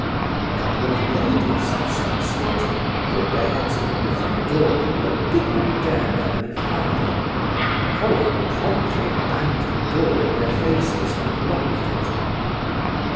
A couple of "ladies" of some sort put their heads in at the front door, but did not dare come any farther. Colia promptly banged the door in their faces and locked it.